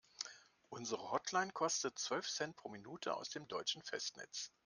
Unsere Hotline kostet zwölf Cent pro Minute aus dem deutschen Festnetz.